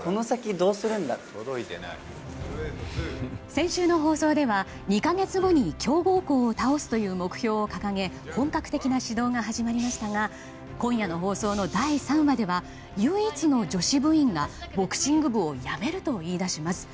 先週の放送では２か月後に強豪校を倒すという目標を掲げ本格的な指導が始まりましたが今夜の放送の第３話では唯一の女子部員がボクシング部を辞めると言い出します。